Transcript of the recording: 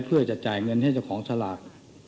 เพื่อใจเงินเงินจากของสลาก